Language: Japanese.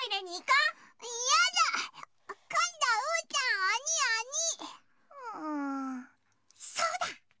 うんそうだ！